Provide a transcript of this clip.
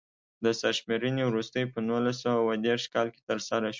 د سرشمېرنې وروستۍ په نولس سوه اووه دېرش کال کې ترسره شوه.